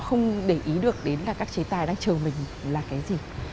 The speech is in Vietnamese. họ không để ý được đến là các chế tài đang chờ mình là cái gì